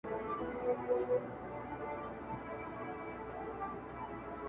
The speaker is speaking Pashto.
د ماينې مرگ د څنگلي درد دئ.